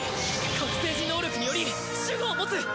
覚醒時能力により守護を持つ。